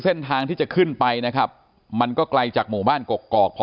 เส้นทางที่จะขึ้นไปนะครับมันก็ไกลจากหมู่บ้านกกอกพอ